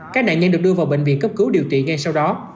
các nạn nhân được đưa vào bệnh viện cấp cứu điều trị ngay sau đó